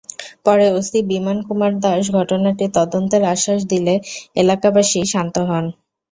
পরে ওসি বিমান কুমার দাশ ঘটনাটি তদন্তের আশ্বাস দিলে এলাকাবাসী শান্ত হন।